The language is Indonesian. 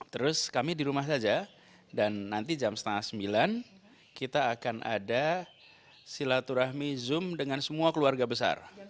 terus kami di rumah saja dan nanti jam setengah sembilan kita akan ada silaturahmi zoom dengan semua keluarga besar